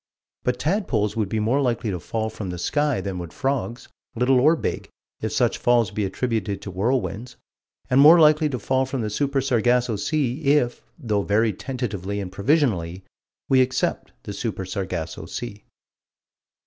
But tadpoles would be more likely to fall from the sky than would frogs, little or big, if such falls be attributed to whirlwinds; and more likely to fall from the Super Sargasso Sea if, though very tentatively and provisionally, we accept the Super Sargasso Sea.